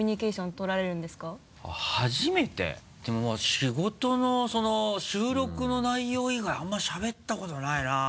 仕事の収録の内容以外あんまりしゃべったことないな。